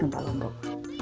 dan bisa gempa lombok